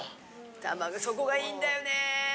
たまごそこがいいんだよね。